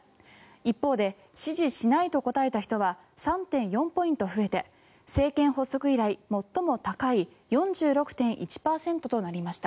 一方で、支持しないと答えた人は３．４ポイント増えて政権発足以来最も高い４６．１％となりました。